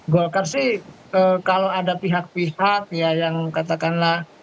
golkar sih kalau ada pihak pihak ya yang katakanlah